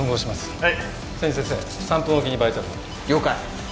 はい。